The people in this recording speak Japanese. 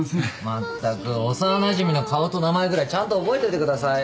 まったく幼なじみの顔と名前ぐらいちゃんと覚えといてくださいよ。